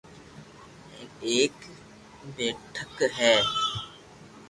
ھين اآڪ بيٺڪ ھي